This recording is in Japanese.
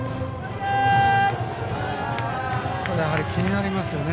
やはり気になりますよね。